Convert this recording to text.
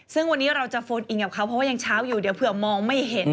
ซึ่งวันนี้เราจะโฟนอินกับเขาเพราะว่ายังเช้าอยู่เดี๋ยวเผื่อมองไม่เห็น